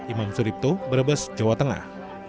imam suripto brebes jawa tengah